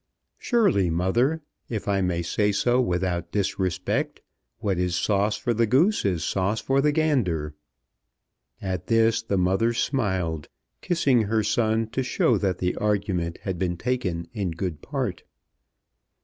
"Surely, mother, if I may say so without disrespect, what is sauce for the goose is sauce for the gander." At this the mother smiled, kissing her son to show that the argument had been taken in good part.